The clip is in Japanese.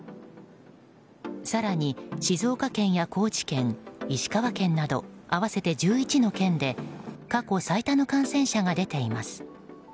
更に、静岡県や高知県石川県など合わせて１１の県で過去最多の感染者が出ています。